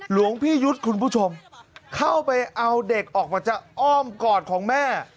หลวงพี่ยุทธ์คุณผู้ชมเข้าไปเอาเด็กออกมาจากอ้อมกอดของแม่